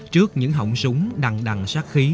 trước những hỏng súng đằng đằng sát khí